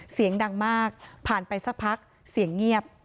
เสียงดังมากผ่านไปสักพักเสียงเงียบ